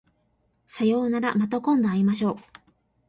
さようならまた今度会いましょう